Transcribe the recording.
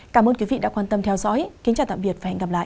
cảm ơn quý vị đã quan tâm theo dõi kính chào tạm biệt và hẹn gặp lại